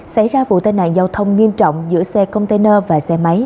xảy ra vụ tai nạn giao thông nghiêm trọng giữa xe container và xe máy